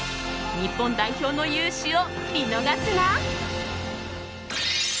日本代表の雄姿を見逃すな。